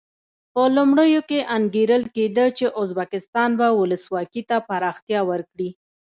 په لومړیو کې انګېرل کېده چې ازبکستان به ولسواکي ته پراختیا ورکړي.